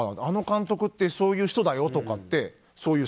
あの監督ってそういう人だよとかって。